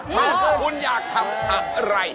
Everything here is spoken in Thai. ต้องคุณอยากทำอะไร